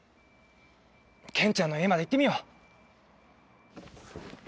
ケンちゃんの家まで行ってみよう。